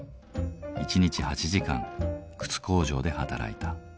一日８時間靴工場で働いた。